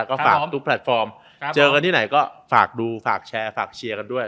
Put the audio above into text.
ก็ฝากทุกแพลตฟอร์มเจอกันที่ไหนก็ฝากดูฝากแชร์ฝากเชียร์กันด้วย